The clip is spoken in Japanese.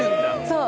そう！